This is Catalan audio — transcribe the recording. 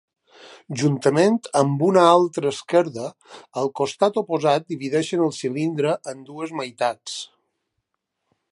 Juntament amb una altra esquerda al costat oposat divideixen el cilindre en dues meitats.